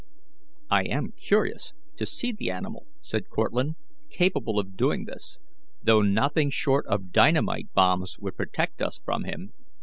"I am curious to see the animal," said Cortlandt, "capable of doing this, though nothing short of dynamite bombs would protect us from him."